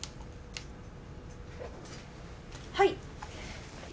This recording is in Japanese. はい。